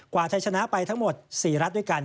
ไทยชนะไปทั้งหมด๔รัฐด้วยกัน